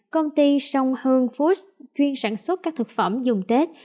công ty sông hương food chuyên sản xuất các thực phẩm dùng tết